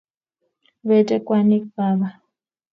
Bete kwenik baba